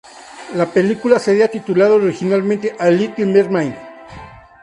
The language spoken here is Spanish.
La película sería titulada originalmente "A Little Mermaid.